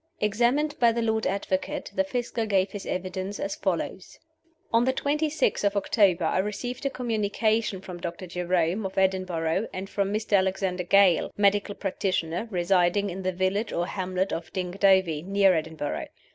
Examined by the Lord Advocate, the Fiscal gave his evidence, as follows: "On the twenty sixth of October I received a communication from Doctor Jerome, of Edinburgh, and from Mr. Alexander Gale, medical practitioner, residing in the village or hamlet of Dingdovie, near Edinburgh.